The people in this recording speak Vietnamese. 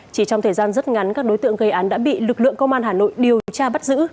chỉ trong thời gian rất ngắn các đối tượng gây án đã bị lực lượng công an hà nội điều tra bắt giữ